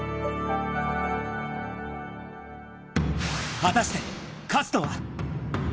果たして、勝つのは？